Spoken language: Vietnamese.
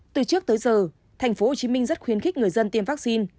từ trước tới giờ tp hcm rất khuyến khích người dân tiêm vaccine